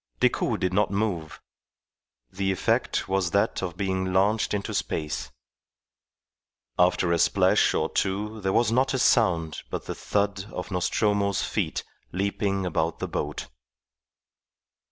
Decoud did not move; the effect was that of being launched into space. After a splash or two there was not a sound but the thud of Nostromo's feet leaping about the boat.